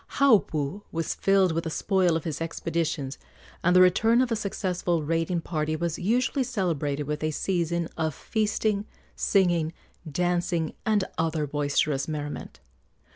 Haupu was filled with the spoil of his expeditions, and the return of a successful raiding party was usually celebrated with a season of feasting, singing, dancing, and other boisterous merriment.